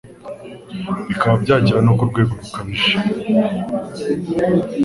bikaba byagera no ku rwego rukabije